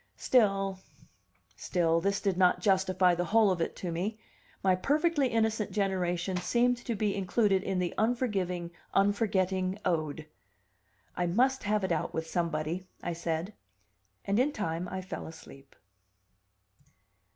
Still, still, this did not justify the whole of it to me; my perfectly innocent generation seemed to be included in the unforgiving, unforgetting ode. "I must have it out with somebody," I said. And in time I fell asleep.